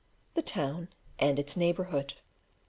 the town and its neighbourhood.